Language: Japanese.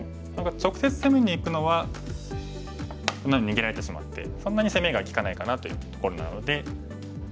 直接攻めにいくのはこのように逃げられてしまってそんなに攻めが利かないかなといったところなので。